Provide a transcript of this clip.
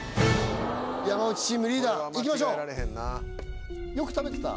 山内チームリーダーいきましょうよく食べてた？